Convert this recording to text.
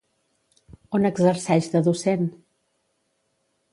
On exerceix de docent?